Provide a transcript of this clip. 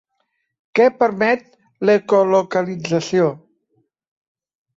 Què permet l'ecolocalització?